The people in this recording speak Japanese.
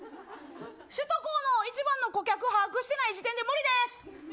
首都高の一番の顧客把握していない時点で無理です。